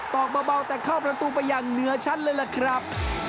อกเบาแต่เข้าประตูไปอย่างเหนือชั้นเลยล่ะครับ